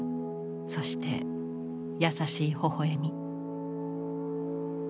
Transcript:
そして優しいほほ笑み。